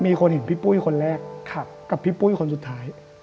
มีคนเห็นพี่ปุ้ยคนแรกกับพี่ปุ้ยคนสุดท้าย